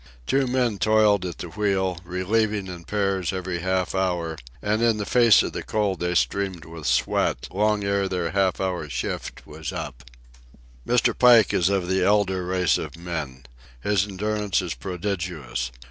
Two men toiled at the wheel, relieving in pairs every half hour, and in the face of the cold they streamed with sweat long ere their half hour shift was up. Mr. Pike is of the elder race of men. His endurance is prodigious.